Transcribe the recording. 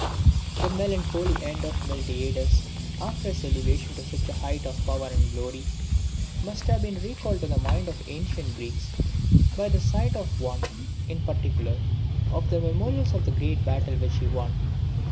] The melancholy end of Miltiades, after his elevation to such a height of power and glory, must often have been recalled to the mind of the ancient Greeks by the sight of one, in particular, of the memorials of the great battle which he won.